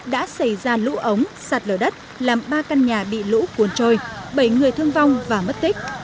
đã xảy ra lũ ống sạt lở đất làm ba căn nhà bị lũ cuốn trôi bảy người thương vong và mất tích